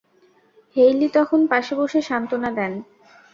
Hayley তখন পাশে বসে সান্ত্বনা দেন।